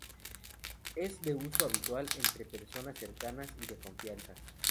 Es de uso habitual entre personas cercanas y de confianza.